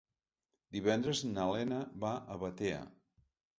Divendres na Lena va a Batea.